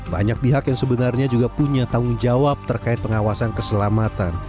banyak pihak yang sebenarnya juga punya tanggung jawab terkait pengawasan keselamatan